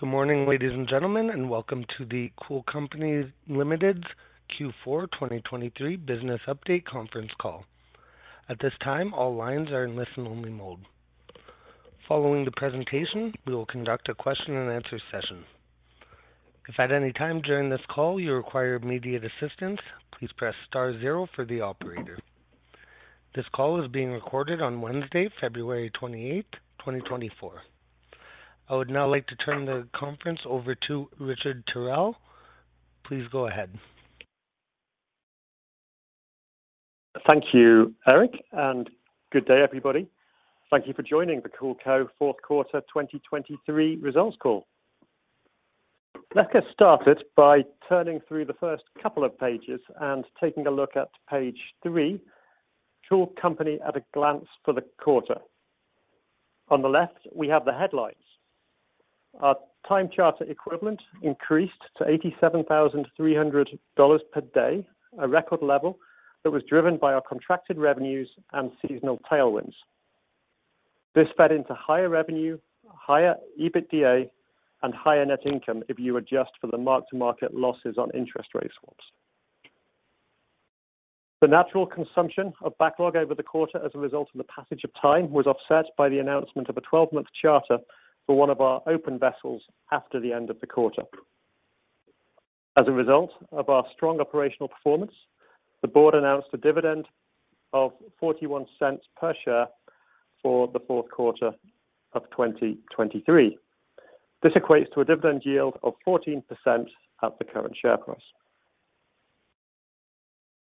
Good morning, ladies and gentlemen, and welcome to the Cool Company Limited's Q4 2023 business update Conference Call. At this time, all lines are in listen-only mode. Following the presentation, we will conduct a question-and-answer session. If at any time during this call you require immediate assistance, please press star 0 for the operator. This call is being recorded on Wednesday, February 28th, 2024. I would now like to turn the conference over to Richard Tyrrell. Please go ahead. Thank you, Eric, and good day, everybody. Thank you for joining the CoolCo fourth quarter 2023 results call. Let's get started by turning through the first couple of pages and taking a look at page 3, Cool Company at a Glance for the Quarter. On the left, we have the headlines. Our time charter equivalent increased to $87,300 per day, a record level that was driven by our contracted revenues and seasonal tailwinds. This fed into higher revenue, higher EBITDA, and higher net income if you adjust for the mark-to-market losses on interest rate swaps. The natural consumption of backlog over the quarter as a result of the passage of time was offset by the announcement of a 12-month charter for one of our open vessels after the end of the quarter. As a result of our strong operational performance, the board announced a dividend of $0.41 per share for the fourth quarter of 2023. This equates to a dividend yield of 14% at the current share price.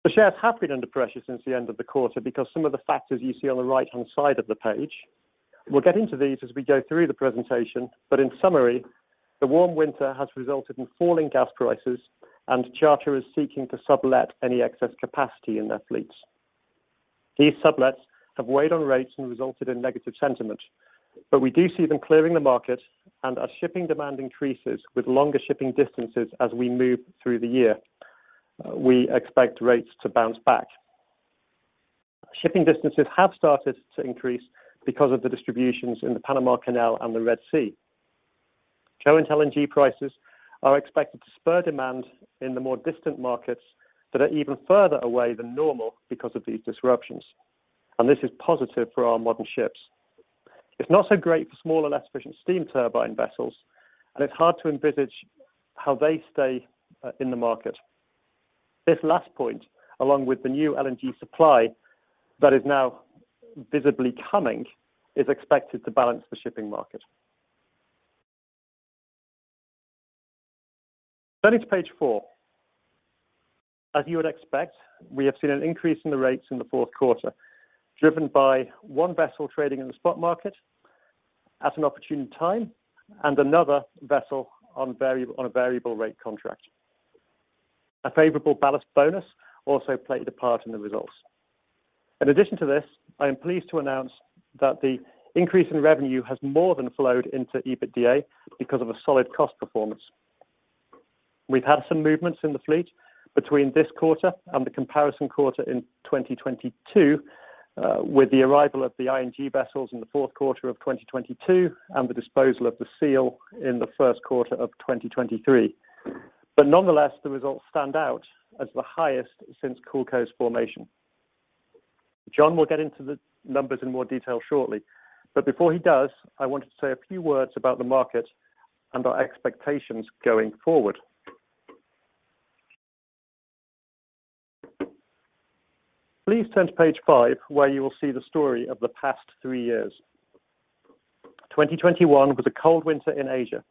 The shares have been under pressure since the end of the quarter because some of the factors you see on the right-hand side of the page. We'll get into these as we go through the presentation, but in summary, the warm winter has resulted in falling gas prices, and charterers are seeking to sublet any excess capacity in their fleets. These sublets have weighed on rates and resulted in negative sentiment, but we do see them clearing the market and our shipping demand increases with longer shipping distances as we move through the year. We expect rates to bounce back. Shipping distances have started to increase because of the disruptions in the Panama Canal and the Red Sea. Contango and higher prices are expected to spur demand in the more distant markets that are even further away than normal because of these disruptions, and this is positive for our modern ships. It's not so great for smaller less-efficient steam turbine vessels, and it's hard to envisage how they stay in the market. This last point, along with the new LNG supply that is now visibly coming, is expected to balance the shipping market. Turning to page 4. As you would expect, we have seen an increase in the rates in the fourth quarter, driven by one vessel trading in the spot market at an opportune time and another vessel on a variable-rate contract. A favorable ballast bonus also played a part in the results. In addition to this, I am pleased to announce that the increase in revenue has more than flowed into EBITDA because of a solid cost performance. We've had some movements in the fleet between this quarter and the comparison quarter in 2022, with the arrival of the LNG vessels in the fourth quarter of 2022 and the disposal of the Seal in the first quarter of 2023. But nonetheless, the results stand out as the highest since CoolCo's formation. John will get into the numbers in more detail shortly, but before he does, I wanted to say a few words about the market and our expectations going forward. Please turn to page 5, where you will see the story of the past three years. 2021 was a cold winter in Asia,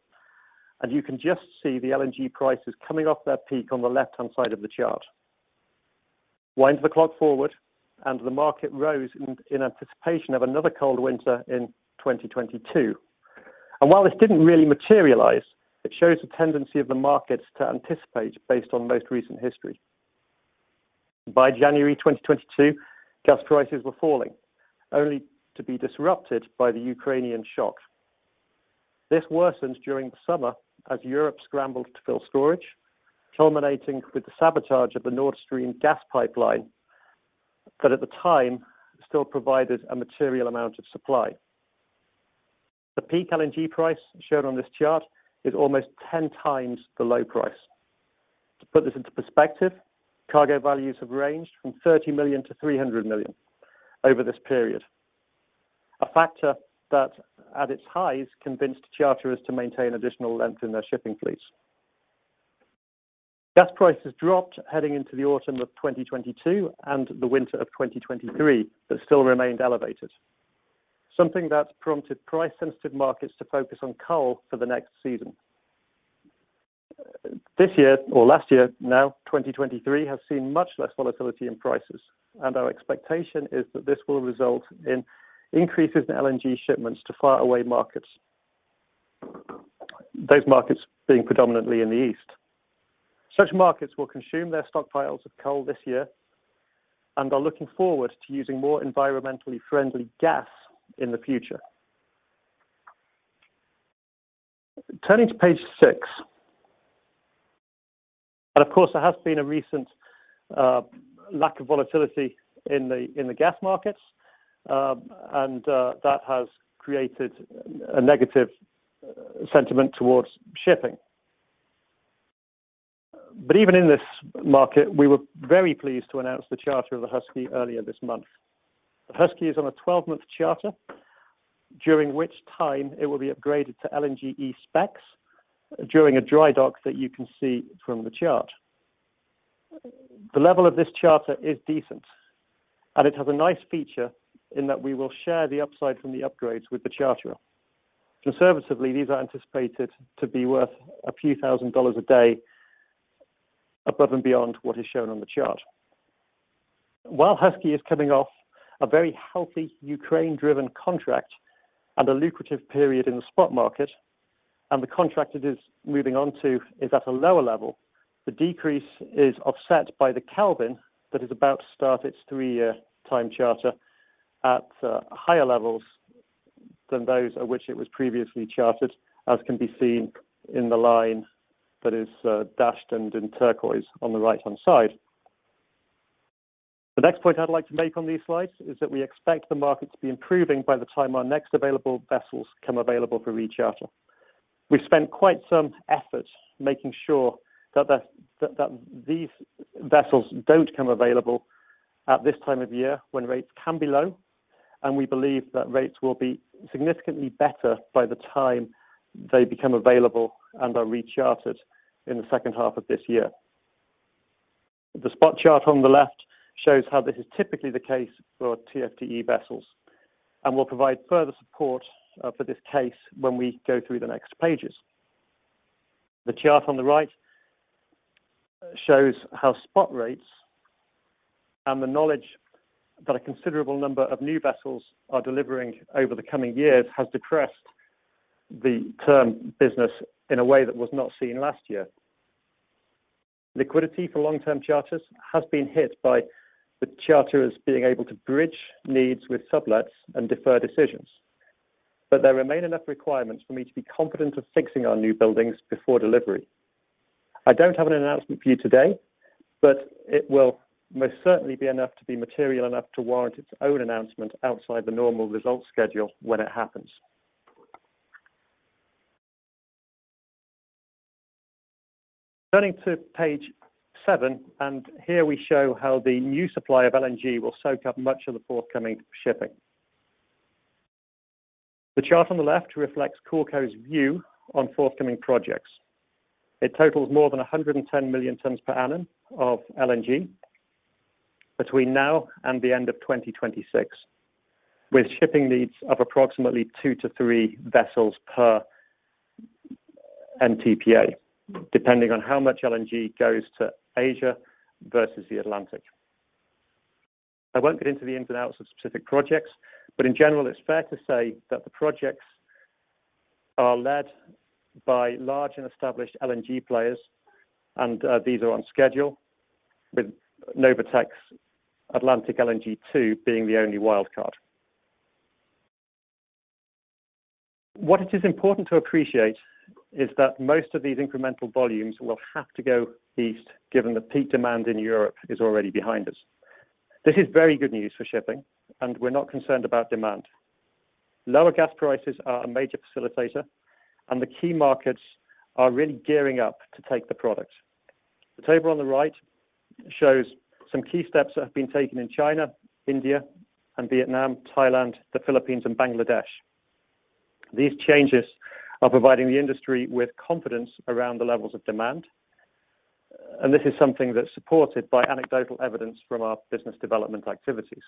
and you can just see the LNG prices coming off their peak on the left-hand side of the chart. Wind the clock forward, and the market rose in anticipation of another cold winter in 2022. And while this didn't really materialize, it shows the tendency of the markets to anticipate based on most recent history. By January 2022, gas prices were falling, only to be disrupted by the Ukrainian shock. This worsened during the summer as Europe scrambled to fill storage, culminating with the sabotage of the Nord Stream gas pipeline that at the time still provided a material amount of supply. The peak LNG price shown on this chart is almost 10 times the low price. To put this into perspective, cargo values have ranged from $30 million-$300 million over this period, a factor that, at its highs, convinced charterers to maintain additional length in their shipping fleets. Gas prices dropped heading into the autumn of 2022 and the winter of 2023, but still remained elevated, something that prompted price-sensitive markets to focus on coal for the next season. This year, or last year now, 2023, has seen much less volatility in prices, and our expectation is that this will result in increases in LNG shipments to faraway markets, those markets being predominantly in the east. Such markets will consume their stockpiles of coal this year and are looking forward to using more environmentally friendly gas in the future. Turning to page 6. Of course, there has been a recent lack of volatility in the gas markets, and that has created a negative sentiment towards shipping. Even in this market, we were very pleased to announce the charter of the Husky earlier this month. The Husky is on a 12-month charter, during which time it will be upgraded to LNGe specs during a dry dock that you can see from the chart. The level of this charter is decent, and it has a nice feature in that we will share the upside from the upgrades with the charterer. Conservatively, these are anticipated to be worth a few thousand dollars a day, above and beyond what is shown on the chart. While Husky is coming off a very healthy Ukraine-driven contract and a lucrative period in the spot market, and the contract it is moving onto is at a lower level, the decrease is offset by the Kelvin that is about to start its three-year time charter at higher levels than those at which it was previously chartered, as can be seen in the line that is dashed and in turquoise on the right-hand side. The next point I'd like to make on these slides is that we expect the market to be improving by the time our next available vessels come available for recharter. We've spent quite some effort making sure that these vessels don't come available at this time of year when rates can be low, and we believe that rates will be significantly better by the time they become available and are rechartered in the second half of this year. The spot chart on the left shows how this is typically the case for TFDE vessels, and we'll provide further support for this case when we go through the next pages. The chart on the right shows how spot rates and the knowledge that a considerable number of new vessels are delivering over the coming years has depressed the term business in a way that was not seen last year. Liquidity for long-term charters has been hit by the charterers being able to bridge needs with sublets and defer decisions, but there remain enough requirements for me to be confident of fixing our new buildings before delivery. I don't have an announcement for you today, but it will most certainly be enough to be material enough to warrant its own announcement outside the normal results schedule when it happens. Turning to page 7, and here we show how the new supply of LNG will soak up much of the forthcoming shipping. The chart on the left reflects CoolCo's view on forthcoming projects. It totals more than 110 million tonnes per annum of LNG between now and the end of 2026, with shipping needs of approximately 2-3 vessels per MTPA, depending on how much LNG goes to Asia versus the Atlantic. I won't get into the ins and outs of specific projects, but in general, it's fair to say that the projects are led by large and established LNG players, and these are on schedule, with Novatek's Arctic LNG 2 being the only wildcard. What it is important to appreciate is that most of these incremental volumes will have to go east, given the peak demand in Europe is already behind us. This is very good news for shipping, and we're not concerned about demand. Lower gas prices are a major facilitator, and the key markets are really gearing up to take the product. The table on the right shows some key steps that have been taken in China, India, and Vietnam, Thailand, the Philippines, and Bangladesh. These changes are providing the industry with confidence around the levels of demand, and this is something that's supported by anecdotal evidence from our business development activities.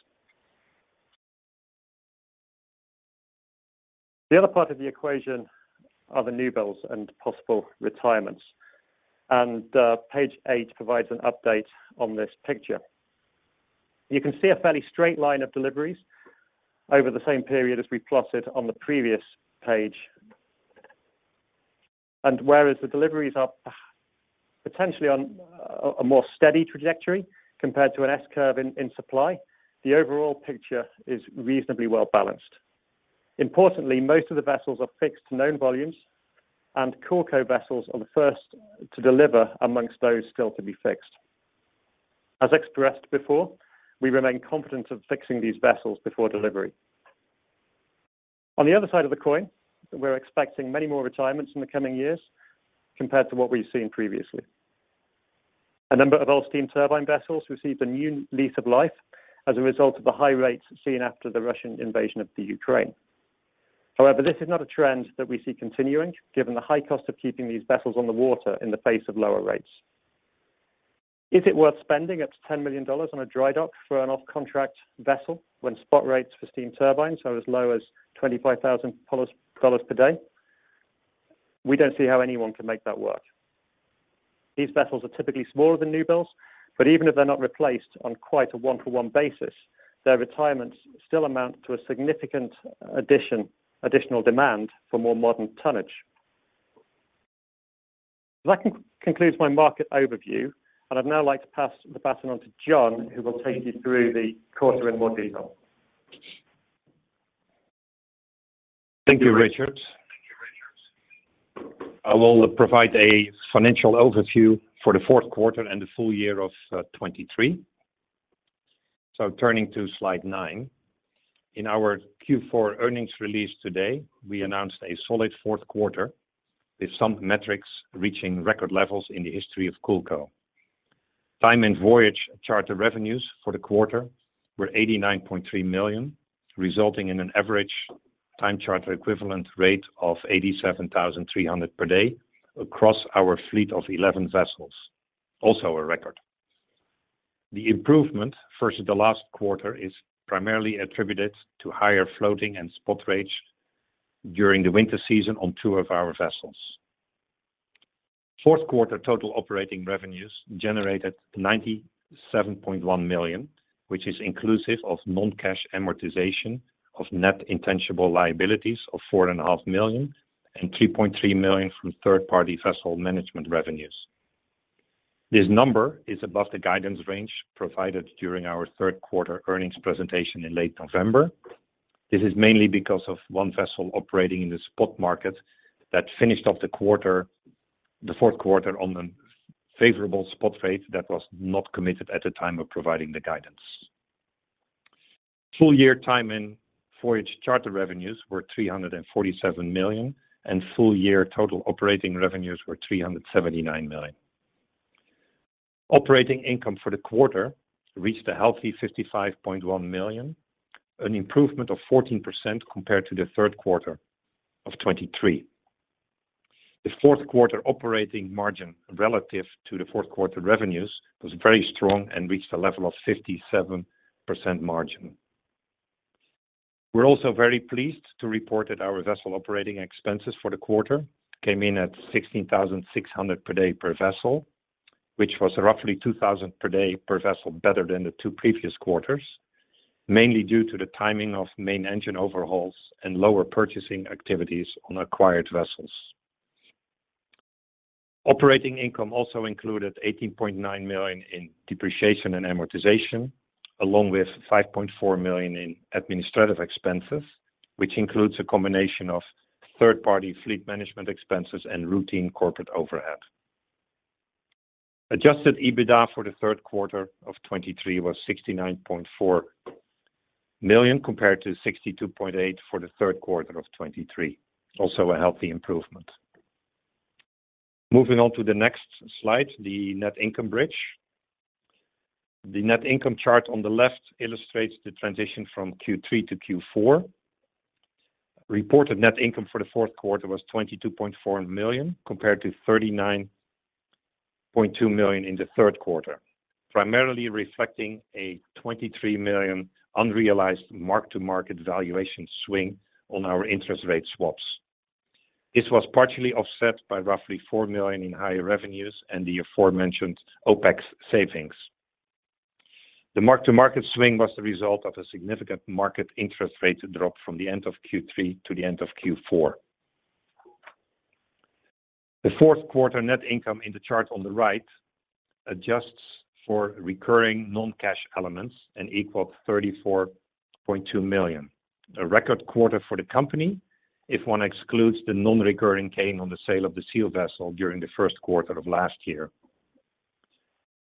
The other part of the equation are the newbuilds and possible retirements, and page 8 provides an update on this picture. You can see a fairly straight line of deliveries over the same period as we plotted on the previous page. Whereas the deliveries are potentially on a more steady trajectory compared to an S-curve in supply, the overall picture is reasonably well balanced. Importantly, most of the vessels are fixed to known volumes, and CoolCo vessels are the first to deliver amongst those still to be fixed. As expressed before, we remain confident of fixing these vessels before delivery. On the other side of the coin, we're expecting many more retirements in the coming years compared to what we've seen previously. A number of old steam turbine vessels received a new lease of life as a result of the high rates seen after the Russian invasion of the Ukraine. However, this is not a trend that we see continuing, given the high cost of keeping these vessels on the water in the face of lower rates. Is it worth spending up to $10 million on a dry dock for an off-contract vessel when spot rates for steam turbines are as low as $25,000 per day? We don't see how anyone can make that work. These vessels are typically smaller than newbuilds, but even if they're not replaced on quite a one-for-one basis, their retirements still amount to a significant additional demand for more modern tonnage. That concludes my market overview, and I'd now like to pass the baton on to John, who will take you through the quarter in more detail. Thank you, Richard. I will provide a financial overview for the fourth quarter and the full year of 2023. Turning to slide 9. In our Q4 earnings release today, we announced a solid fourth quarter, with some metrics reaching record levels in the history of CoolCo. Time and voyage charter revenues for the quarter were $89.3 million, resulting in an average time charter equivalent rate of 87,300 per day across our fleet of 11 vessels, also a record. The improvement versus the last quarter is primarily attributed to higher floating and spot range during the winter season on two of our vessels. Fourth quarter total operating revenues generated $97.1 million, which is inclusive of non-cash amortization of net intangible liabilities of $4.5 million and $3.3 million from third-party vessel management revenues. This number is above the guidance range provided during our third quarter earnings presentation in late November. This is mainly because of one vessel operating in the spot market that finished off the fourth quarter on a favorable spot rate that was not committed at the time of providing the guidance. Full year time and voyage charter revenues were $347 million, and full year total operating revenues were $379 million. Operating income for the quarter reached a healthy $55.1 million, an improvement of 14% compared to the third quarter of 2023. The fourth quarter operating margin relative to the fourth quarter revenues was very strong and reached a level of 57% margin. We're also very pleased to report that our vessel operating expenses for the quarter came in at 16,600 per day per vessel, which was roughly 2,000 per day per vessel better than the two previous quarters, mainly due to the timing of main engine overhauls and lower purchasing activities on acquired vessels. Operating income also included $18.9 million in depreciation and amortization, along with $5.4 million in administrative expenses, which includes a combination of third-party fleet management expenses and routine corporate overhead. Adjusted EBITDA for the third quarter of 2023 was $69.4 million compared to $62.8 million for the third quarter of 2023, also a healthy improvement. Moving on to the next slide, the net income bridge. The net income chart on the left illustrates the transition from Q3-Q4. Reported net income for the fourth quarter was $22.4 million compared to $39.2 million in the third quarter, primarily reflecting a $23 million unrealized mark-to-market valuation swing on our interest rate swaps. This was partially offset by roughly $4 million in higher revenues and the aforementioned OpEx savings. The mark-to-market swing was the result of a significant market interest rate drop from the end of Q3 to the end of Q4. The fourth quarter net income in the chart on the right adjusts for recurring non-cash elements and equaled $34.2 million, a record quarter for the company if one excludes the non-recurring gain on the sale of the Seal vessel during the first quarter of last year.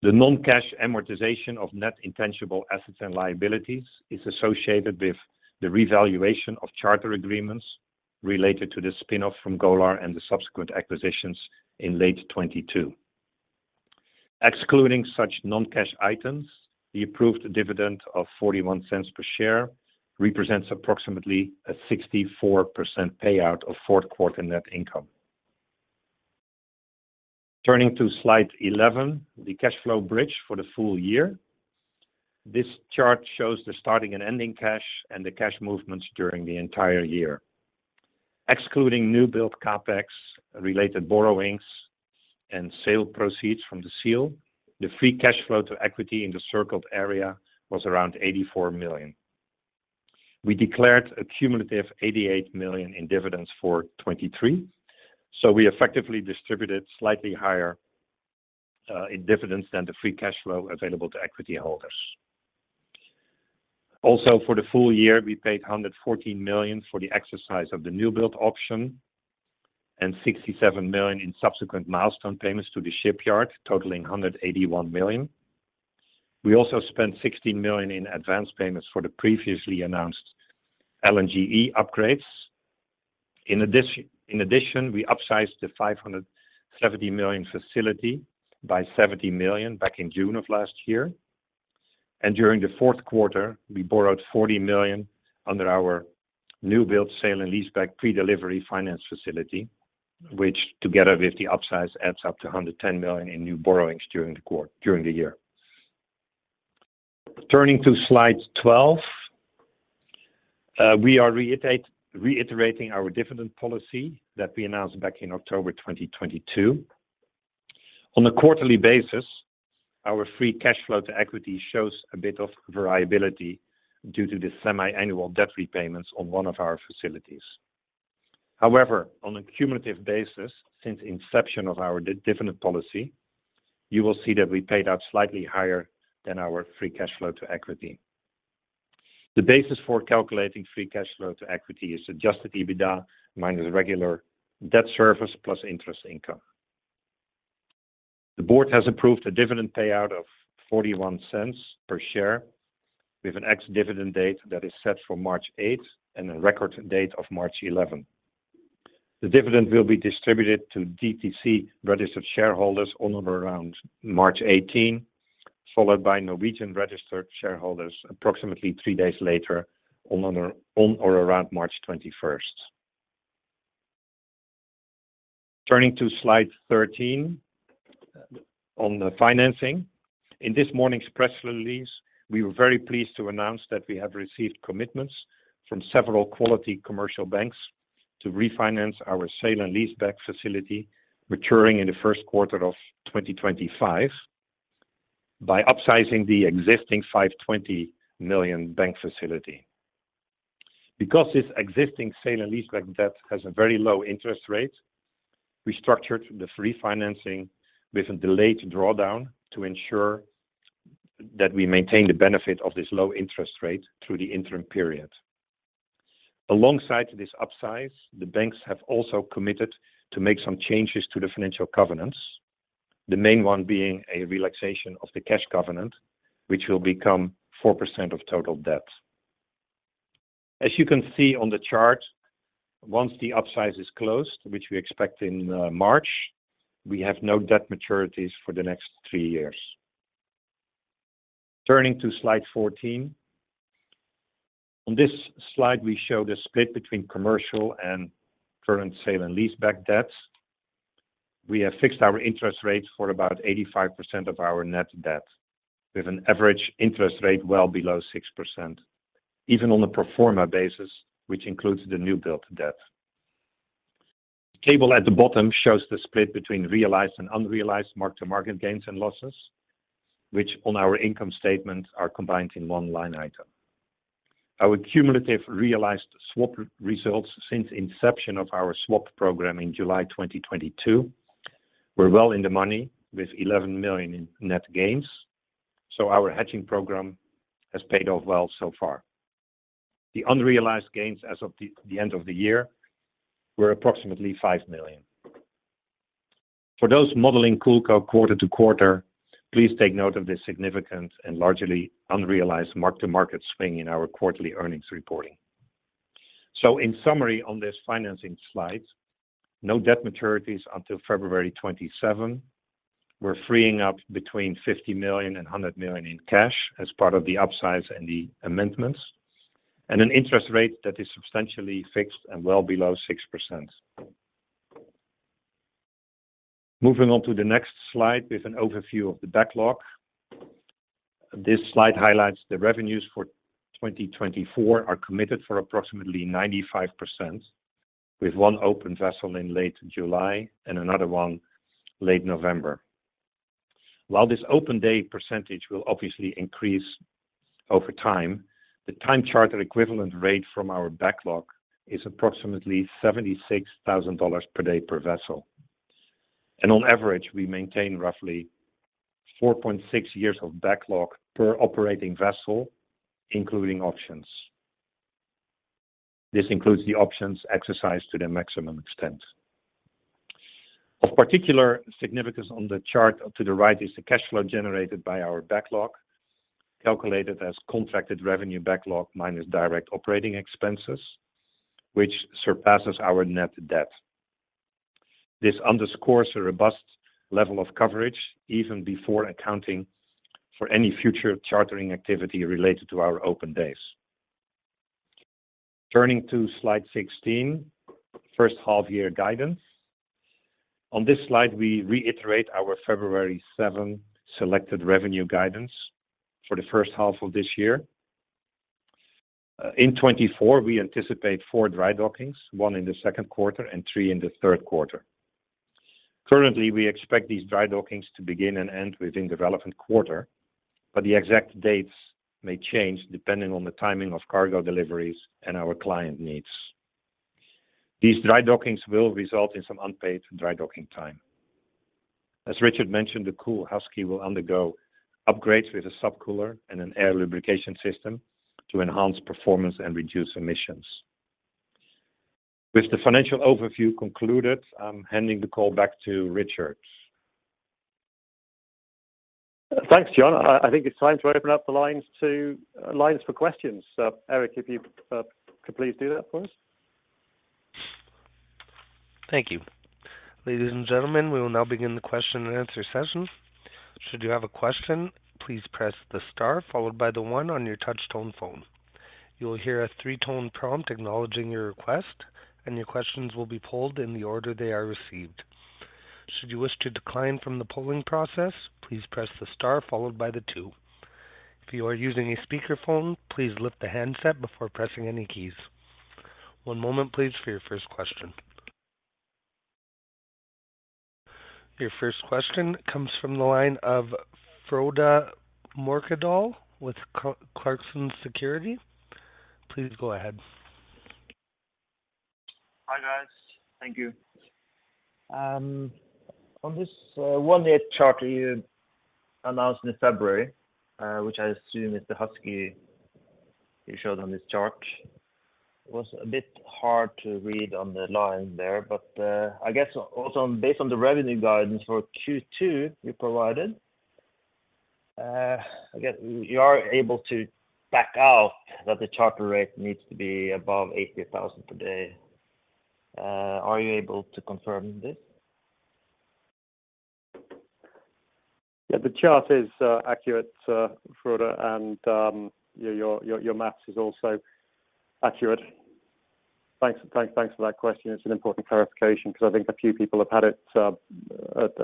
The non-cash amortization of net intangible assets and liabilities is associated with the revaluation of charter agreements related to the spin-off from Golar and the subsequent acquisitions in late 2022. Excluding such non-cash items, the approved dividend of $0.41 per share represents approximately a 64% payout of fourth quarter net income. Turning to slide 11, the cash flow bridge for the full year. This chart shows the starting and ending cash and the cash movements during the entire year. Excluding newbuild CAPEX-related borrowings and sale proceeds from the Seal, the free cash flow to equity in the circled area was around $84 million. We declared a cumulative $88 million in dividends for 2023, so we effectively distributed slightly higher in dividends than the free cash flow available to equity holders. Also, for the full year, we paid $114 million for the exercise of the newbuild option and $67 million in subsequent milestone payments to the shipyard, totaling $181 million. We also spent $16 million in advance payments for the previously announced LNGe upgrades. In addition, we upsized the $570 million facility by $70 million back in June of last year, and during the fourth quarter, we borrowed $40 million under our newbuild sale-and-leaseback pre-delivery finance facility, which together with the upsize adds up to $110 million in new borrowings during the year. Turning to slide 12. We are reiterating our dividend policy that we announced back in October 2022. On a quarterly basis, our free cash flow to equity shows a bit of variability due to the semi-annual debt repayments on one of our facilities. However, on a cumulative basis, since inception of our dividend policy, you will see that we paid out slightly higher than our free cash flow to equity. The basis for calculating free cash flow to equity is adjusted EBITDA minus regular debt service plus interest income. The board has approved a dividend payout of $0.41 per share, with an ex-dividend date that is set for March 8 and a record date of March 11. The dividend will be distributed to DTC-registered shareholders on or around March 18, followed by Norwegian-registered shareholders approximately three days later on or around March 21. Turning to slide 13. On the financing: In this morning's press release, we were very pleased to announce that we have received commitments from several quality commercial banks to refinance our sale-and-leaseback facility maturing in the first quarter of 2025 by upsizing the existing $520 million bank facility. Because this existing sale-and-leaseback debt has a very low interest rate, we structured the refinancing with a delayed drawdown to ensure that we maintain the benefit of this low interest rate through the interim period. Alongside this upsize, the banks have also committed to make some changes to the financial covenants, the main one being a relaxation of the cash covenant, which will become 4% of total debt. As you can see on the chart, once the upsize is closed, which we expect in March, we have no debt maturities for the next three years. Turning to slide 14. On this slide, we show the split between commercial and current sale-and-leaseback debts. We have fixed our interest rates for about 85% of our net debt, with an average interest rate well below 6%, even on a pro forma basis, which includes the newbuild debt. The table at the bottom shows the split between realized and unrealized mark-to-market gains and losses, which on our income statement are combined in one line item. Our cumulative realized swap results since inception of our swap program in July 2022 were well in the money, with $11 million in net gains, so our hedging program has paid off well so far. The unrealized gains as of the end of the year were approximately $5 million. For those modeling CoolCo quarter to quarter, please take note of this significant and largely unrealized mark-to-market swing in our quarterly earnings reporting. So, in summary on this financing slide: No debt maturities until February 27. We're freeing up between $50 million and $100 million in cash as part of the upsize and the amendments, and an interest rate that is substantially fixed and well below 6%. Moving on to the next slide with an overview of the backlog. This slide highlights the revenues for 2024 are committed for approximately 95%, with one open vessel in late July and another one late November. While this open day percentage will obviously increase over time, the time charter equivalent rate from our backlog is approximately $76,000 per day per vessel, and on average, we maintain roughly 4.6 years of backlog per operating vessel, including options. This includes the options exercised to the maximum extent. Of particular significance on the chart to the right is the cash flow generated by our backlog, calculated as contracted revenue backlog minus direct operating expenses, which surpasses our net debt. This underscores a robust level of coverage even before accounting for any future chartering activity related to our open days. Turning to slide 16. First half year guidance: On this slide, we reiterate our February 7 selected revenue guidance for the first half of this year. In 2024, we anticipate 4 dry dockings: 1 in the second quarter and 3 in the third quarter. Currently, we expect these dry dockings to begin and end within the relevant quarter, but the exact dates may change depending on the timing of cargo deliveries and our client needs. These dry dockings will result in some unpaid dry docking time. As Richard mentioned, the Kool Husky will undergo upgrades with a sub-cooler and an air lubrication system to enhance performance and reduce emissions. With the financial overview concluded, I'm handing the call back to Richard. Thanks, John. I think it's time to open up the lines for questions. Eric, if you could please do that for us. Thank you. Ladies and gentlemen, we will now begin the question and answer session. Should you have a question, please press the star followed by the 1 on your touch-tone phone. You will hear a three-tone prompt acknowledging your request, and your questions will be polled in the order they are received. Should you wish to decline from the polling process, please press the star followed by the 2. If you are using a speakerphone, please lift the handset before pressing any keys. One moment, please, for your first question. Your first question comes from the line of Frode Mørkedal with Clarksons Securities. Please go ahead. Hi guys. Thank you. On this one-year charter you announced in February, which I assume is the Husky you showed on this chart, was a bit hard to read on the line there, but I guess also based on the revenue guidance for Q2 you provided, I guess you are able to back out that the charter rate needs to be above $80,000 per day. Are you able to confirm this? Yeah, the chart is accurate, Frode, and your math is also accurate. Thanks for that question. It's an important clarification because I think a few people have had it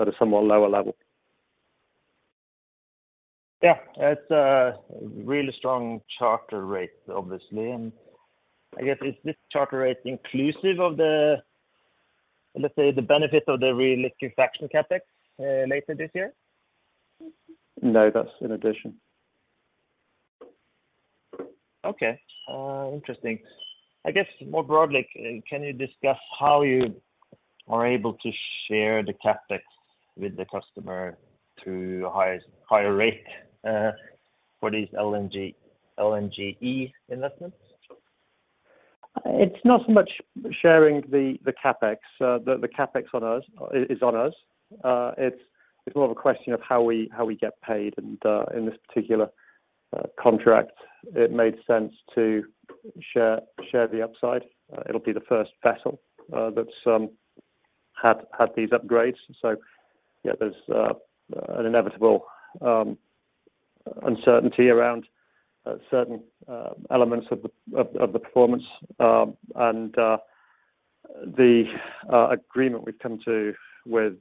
at a somewhat lower level. Yeah, it's a really strong charter rate, obviously. And I guess, is this charter rate inclusive of the, let's say, the benefit of the reliquefaction CapEx later this year? No, that's in addition. Okay. Interesting. I guess more broadly, can you discuss how you are able to share the CapEx with the customer to a higher rate for these LNGe investments? It's not so much sharing the CapEx. The CapEx is on us. It's more of a question of how we get paid. And in this particular contract, it made sense to share the upside. It'll be the first vessel that's had these upgrades. So yeah, there's an inevitable uncertainty around certain elements of the performance. And the agreement we've come to with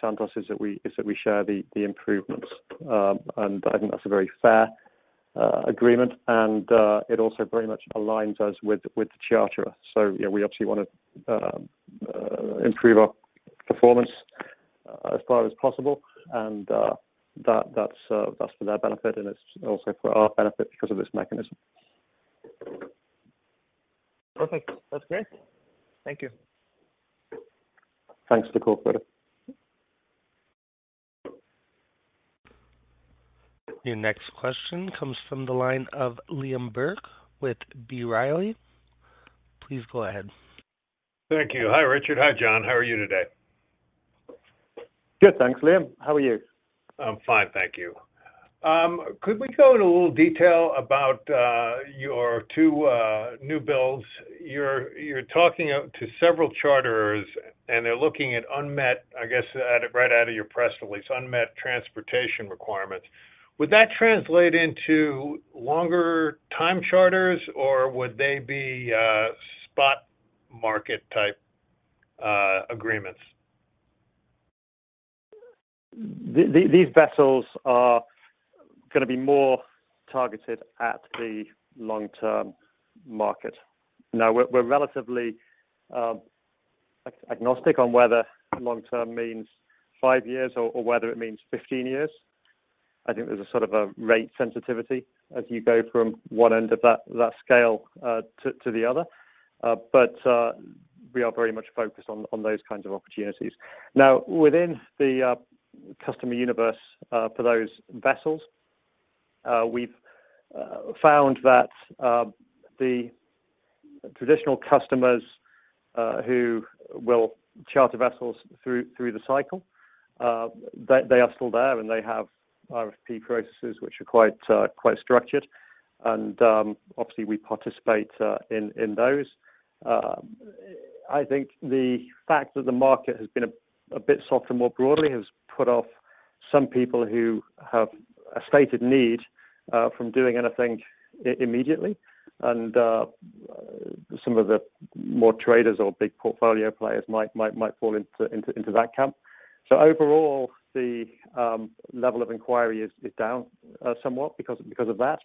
Santos is that we share the improvements. And I think that's a very fair agreement, and it also very much aligns us with the charterer. So we obviously want to improve our performance as far as possible, and that's for their benefit and it's also for our benefit because of this mechanism. Perfect. That's great. Thank you. Thanks for the call, Frode. Your next question comes from the line of Liam Burke with B. Riley. Please go ahead. Thank you. Hi Richard. Hi John. How are you today? Good, thanks Liam. How are you? I'm fine, thank you. Could we go into a little detail about your two newbuilds? You're talking to several charterers, and they're looking at unmet, I guess, right out of your press release, unmet transportation requirements. Would that translate into longer-time charters, or would they be spot-market type agreements? These vessels are going to be more targeted at the long-term market. Now, we're relatively agnostic on whether long-term means five years or whether it means 15 years. I think there's a sort of a rate sensitivity as you go from one end of that scale to the other, but we are very much focused on those kinds of opportunities. Now, within the customer universe for those vessels, we've found that the traditional customers who will charter vessels through the cycle, they are still there, and they have RFP processes which are quite structured. And obviously, we participate in those. I think the fact that the market has been a bit softer more broadly has put off some people who have a stated need from doing anything immediately, and some of the more traders or big portfolio players might fall into that camp. Overall, the level of inquiry is down somewhat because of that,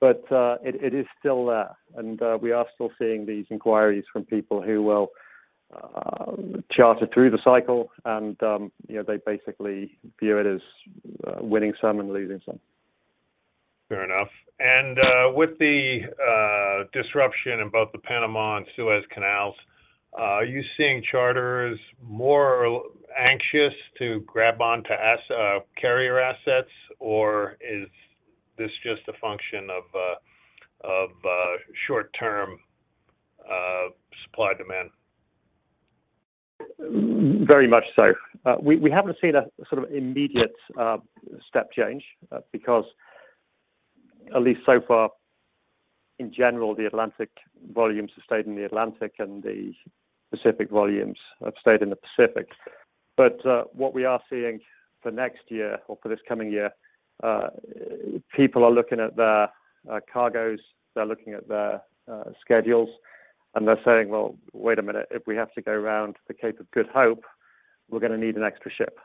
but it is still there, and we are still seeing these inquiries from people who will charter through the cycle, and they basically view it as winning some and losing some. Fair enough. With the disruption in both the Panama Canal and Suez Canal, are you seeing charters more anxious to grab onto carrier assets, or is this just a function of short-term supply-demand? Very much so. We haven't seen a sort of immediate step change because, at least so far in general, the Atlantic volumes have stayed in the Atlantic, and the Pacific volumes have stayed in the Pacific. But what we are seeing for next year or for this coming year, people are looking at their cargoes, they're looking at their schedules, and they're saying, "Well, wait a minute. If we have to go round the Cape of Good Hope, we're going to need an extra ship."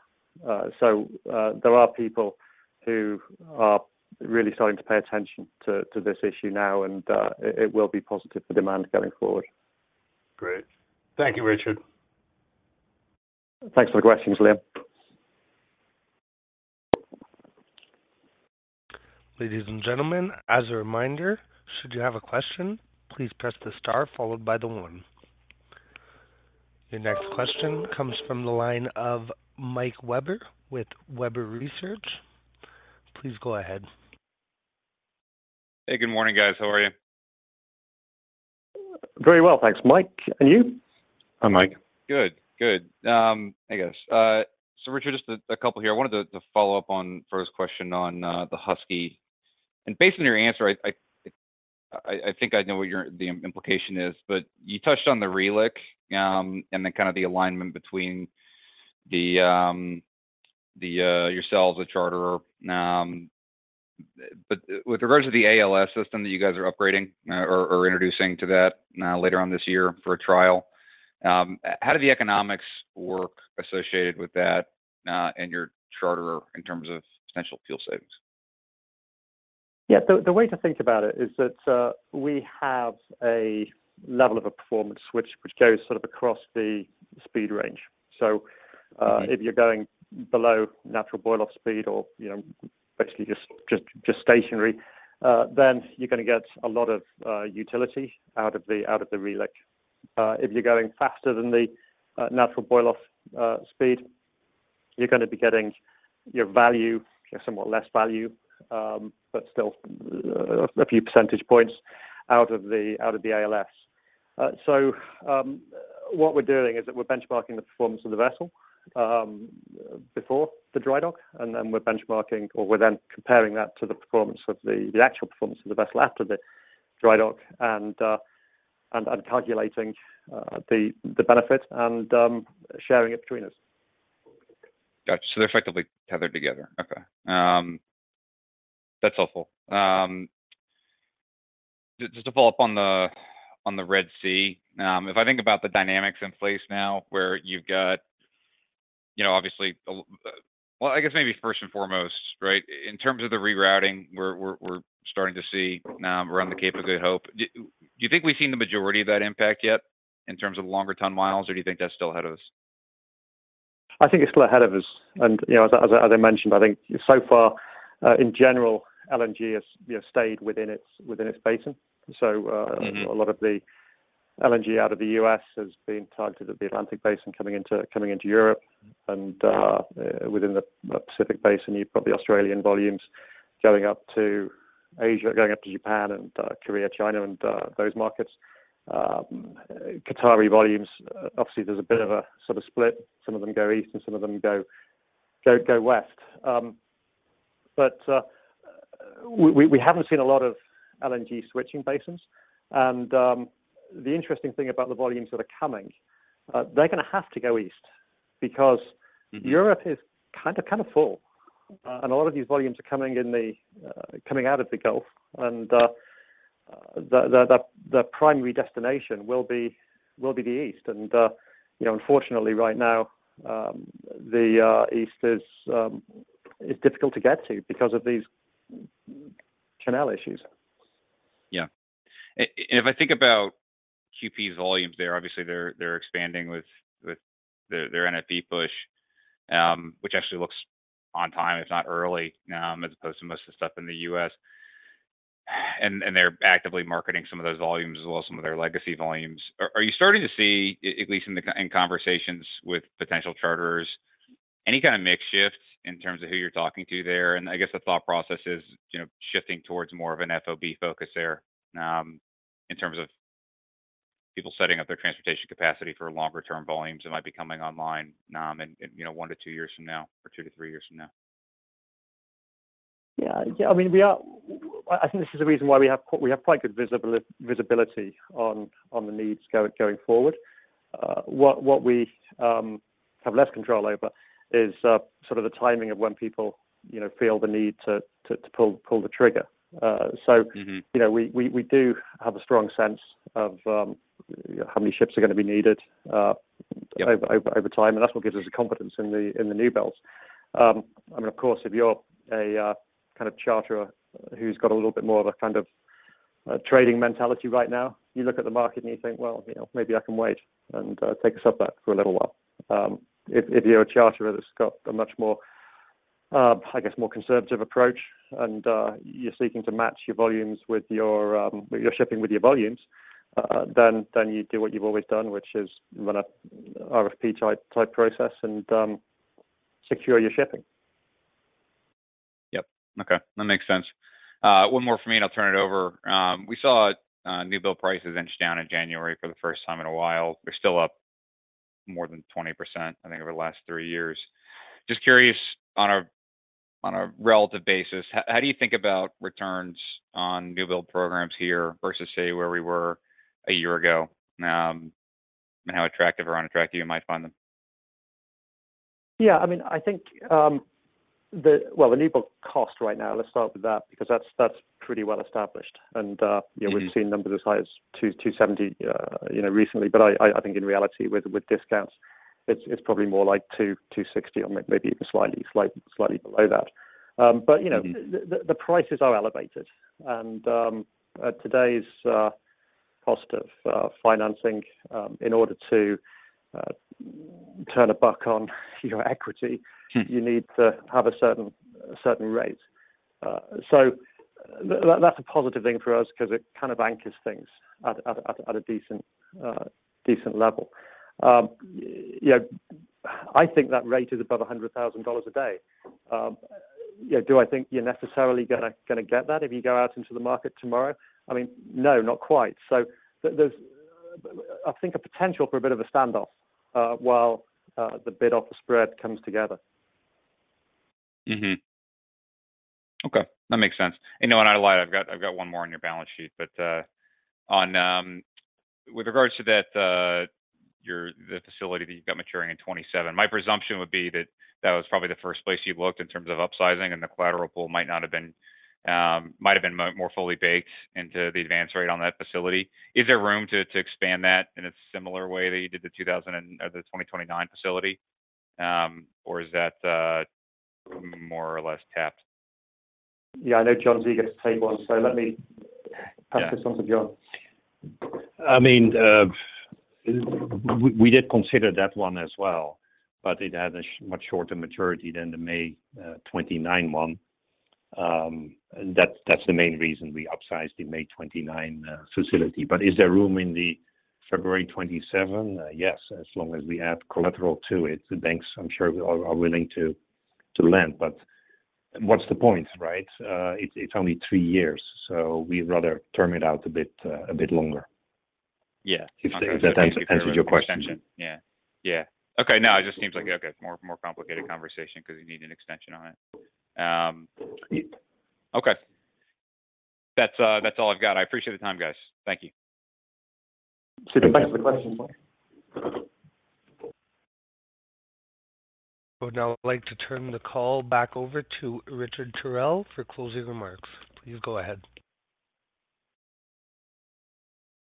So there are people who are really starting to pay attention to this issue now, and it will be positive for demand going forward. Great. Thank you, Richard. Thanks for the questions, Liam. Ladies and gentlemen, as a reminder, should you have a question, please press the star followed by the 1. Your next question comes from the line of Mike Webber with Webber Research. Please go ahead. Hey, good morning guys. How are you? Very well, thanks. Mike, and you? Hi Mike. Good, good, I guess. So Richard, just a couple here. I wanted to follow up on Frode's question on the Husky. And based on your answer, I think I know what the implication is, but you touched on the re-liq and then kind of the alignment between yourselves, the charterer. But with regards to the ALS system that you guys are upgrading or introducing to that later on this year for a trial, how do the economics work associated with that and your charterer in terms of potential fuel savings? Yeah, the way to think about it is that we have a level of a performance which goes sort of across the speed range. So if you're going below natural boil-off speed or basically just stationary, then you're going to get a lot of utility out of the re-liq. If you're going faster than the natural boil-off speed, you're going to be getting your value, somewhat less value, but still a few percentage points out of the ALS. So what we're doing is that we're benchmarking the performance of the vessel before the dry dock, and then we're benchmarking or we're then comparing that to the actual performance of the vessel after the dry dock and calculating the benefit and sharing it between us. Gotcha. So they're effectively tethered together. Okay. That's helpful. Just to follow up on the Red Sea, if I think about the dynamics in place now where you've got obviously well, I guess maybe first and foremost, right, in terms of the rerouting we're starting to see around the Cape of Good Hope, do you think we've seen the majority of that impact yet in terms of longer ton-miles, or do you think that's still ahead of us? I think it's still ahead of us. As I mentioned, I think so far, in general, LNG has stayed within its basin. A lot of the LNG out of the U.S. has been targeted at the Atlantic Basin coming into Europe, and within the Pacific Basin, you've got the Australian volumes going up to Asia, going up to Japan and Korea, China, and those markets. Qatari volumes, obviously, there's a bit of a sort of split. Some of them go east, and some of them go west. But we haven't seen a lot of LNG switching basins. The interesting thing about the volumes that are coming, they're going to have to go east because Europe is kind of full, and a lot of these volumes are coming out of the Gulf, and their primary destination will be the east. Unfortunately, right now, the east is difficult to get to because of these canal issues. Yeah. If I think about QP's volumes there, obviously, they're expanding with their NFP push, which actually looks on time, if not early, as opposed to most of the stuff in the US. They're actively marketing some of those volumes as well, some of their legacy volumes. Are you starting to see, at least in conversations with potential charterers, any kind of makeshift in terms of who you're talking to there? I guess the thought process is shifting towards more of an FOB focus there in terms of people setting up their transportation capacity for longer-term volumes that might be coming online in 1-2 years from now or 2-3 years from now. Yeah. I mean, I think this is the reason why we have quite good visibility on the needs going forward. What we have less control over is sort of the timing of when people feel the need to pull the trigger. So we do have a strong sense of how many ships are going to be needed over time, and that's what gives us a confidence in the newbuilds. I mean, of course, if you're a kind of charterer who's got a little bit more of a kind of trading mentality right now, you look at the market and you think, "Well, maybe I can wait and take a subback for a little while." If you're a charterer that's got a much more, I guess, more conservative approach and you're seeking to match your volumes with your shipping with your volumes, then you do what you've always done, which is run an RFP-type process and secure your shipping. Yep. Okay. That makes sense. One more for me, and I'll turn it over. We saw newbuild prices inch down in January for the first time in a while. They're still up more than 20%, I think, over the last three years. Just curious, on a relative basis, how do you think about returns on newbuild programs here versus, say, where we were a year ago and how attractive or unattractive you might find them? Yeah. I mean, I think, well, the newbuild cost right now, let's start with that, because that's pretty well established. And we've seen numbers as high as $270 recently. But I think in reality, with discounts, it's probably more like $260 or maybe even slightly below that. But the prices are elevated. And today's cost of financing, in order to turn a buck on your equity, you need to have a certain rate. So that's a positive thing for us because it kind of anchors things at a decent level. I think that rate is above $100,000 a day. Do I think you're necessarily going to get that if you go out into the market tomorrow? I mean, no, not quite. So I think a potential for a bit of a standoff while the bid-offer spread comes together. Okay. That makes sense. And no, I'm not going to lie, I've got one more on your balance sheet. But with regards to the facility that you've got maturing in 2027, my presumption would be that that was probably the first place you looked in terms of upsizing, and the collateral pool might not have been more fully baked into the advance rate on that facility. Is there room to expand that in a similar way that you did the 2029 facility, or is that more or less tapped? Yeah, I know John's eager to take one, so let me pass this on to John. I mean, we did consider that one as well, but it had a much shorter maturity than the May 2029 one. That's the main reason we upsized the May 2029 facility. Is there room in the February 2027? Yes, as long as we add collateral to it, the banks, I'm sure, are willing to lend. What's the point, right? It's only three years, so we'd rather term it out a bit longer if that answers your question. Yeah. Yeah. Okay. No, it just seems like, okay, more complicated conversation because you need an extension on it. Okay. That's all I've got. I appreciate the time, guys. Thank you. Sit back to the questions, Mike. I would now like to turn the call back over to Richard Tyrrell for closing remarks. Please go ahead.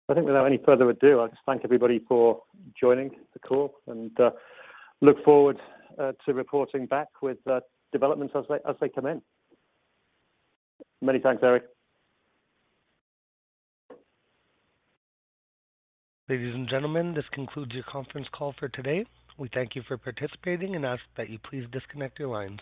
I think without any further ado, I'll just thank everybody for joining the call and look forward to reporting back with developments as they come in. Many thanks, Eric. Ladies and gentlemen, this concludes your conference call for today. We thank you for participating and ask that you please disconnect your lines.